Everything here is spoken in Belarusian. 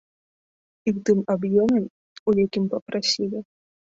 І ў тым аб'ёме, у якім папрасілі.